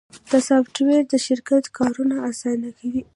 دا سافټویر د شرکت کارونه اسانه کوي.